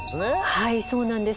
はいそうなんです。